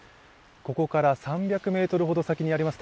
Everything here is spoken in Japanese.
ここから３００ｍほど先にあります